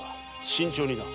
慎重にな。